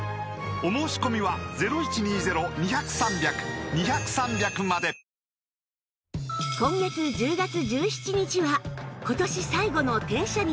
お申し込みは今月１０月１７日は今年最後の天赦日